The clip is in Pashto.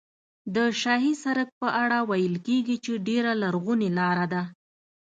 د شاهي سړک په اړه ویل کېږي چې ډېره لرغونې لاره ده.